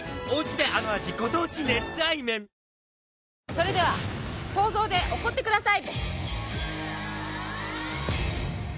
それでは想像で怒ってください！